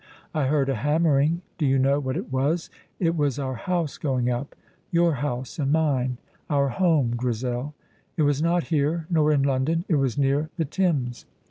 I heard a hammering. Do you know what it was? It was our house going up your house and mine; our home, Grizel! It was not here, nor in London. It was near the Thames.